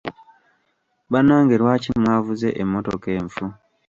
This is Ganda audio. Banange lwaki mwavuze emmotoka enfu?